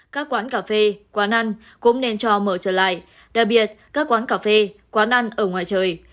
các quán cà phê quán ăn cũng nên cho mở trở lại đặc biệt các quán cà phê quán ăn ở ngoài trời